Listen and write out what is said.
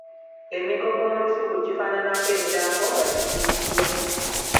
Emigogo mu lusuku gifaananako emirambo nga gisibiddwa.